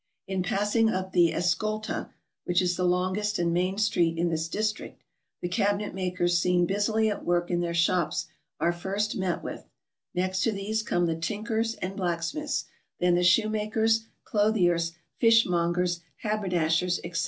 In passing up the Escolta (which is the longest and main street in this district) the cabinet makers seen busily at work in their shops are first met with ; next to these come the tink ers and blacksmiths ; then the shoemakers, clothiers, fish mongers, haberdashers, etc.